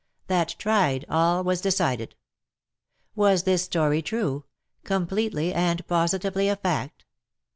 That tried, all was decided. Was this story true — completely and positively a fact?